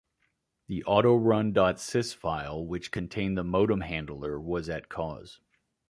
The autorun.sys file which contained the modem handler was at cause.